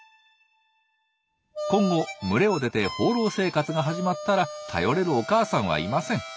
今後群れを出て放浪生活が始まったら頼れるお母さんはいません。